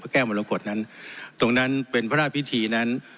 แก้วมรกฏนั้นตรงนั้นเป็นพระราชพิธีนั้น